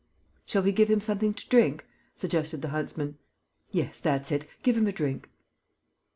"Shall we give him something to drink?" suggested the huntsman. "Yes, that's it, give him a drink."